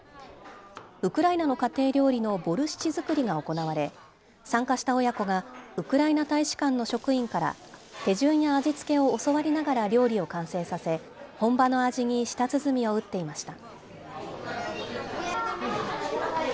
ウクライナの家庭料理のボルシチ作りが行われ参加した親子がウクライナ大使館の職員から手順や味付けを教わりながら料理を完成させ本場の味に舌鼓を打っていました。